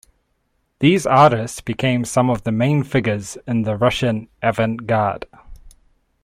These artists became some of the main figures in the Russian avant-garde.